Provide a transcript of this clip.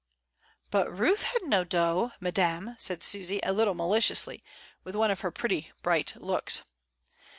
"But Ruth had no dot^ Madame," said Susy, a little maliciously, with one of her pretty bright looks.